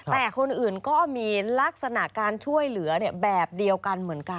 แต่คนอื่นก็มีลักษณะการช่วยเหลือแบบเดียวกันเหมือนกัน